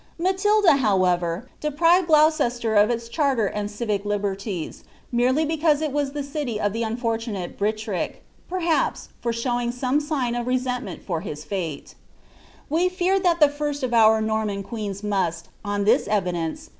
Alaiilda, moreover, deprived Glouceainr of its charter and civic tibei^ ties, merely becauw il was the ciiy of ibe nnfcirtunnte Brihiric — perhspn, for sbowing annie sign of rescntnient fur his fate. We feur tbal the first of our Normal) queens must, on this evidencn.